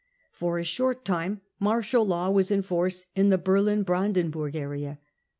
For a short; time martial law was in force in the Berlin Brandenburg area.